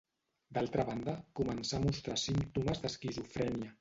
D'altra banda, començà a mostrar símptomes d'esquizofrènia.